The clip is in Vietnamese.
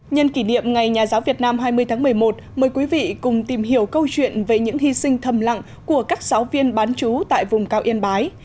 nhân kỷ niệm ngày nhà giáo việt nam hai mươi tháng một mươi một mời quý vị cùng tìm hiểu câu chuyện về những hy sinh thầm lặng của các giáo viên bán chú tại vùng cao yên bái